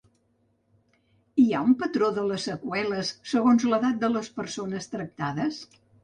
Hi ha un patró de les seqüeles segons l’edat de les persones tractades?